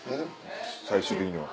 最終的には。